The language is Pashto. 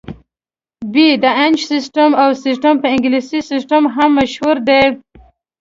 ب - د انچ سیسټم: دا سیسټم په انګلیسي سیسټم هم مشهور دی.